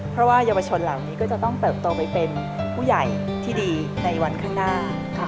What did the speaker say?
เพราะว่าเยาวชนเหล่านี้ก็จะต้องเติบโตไปเป็นผู้ใหญ่ที่ดีในวันข้างหน้า